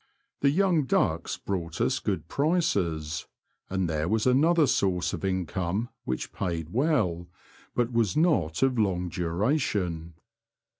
The young ducks brought us good prices, and there was another source of income which paid well, but was not of long duration.